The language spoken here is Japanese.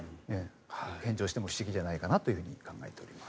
返上しても不思議じゃないかなと考えております。